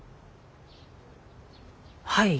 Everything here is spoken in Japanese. はい。